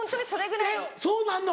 えっそうなんの？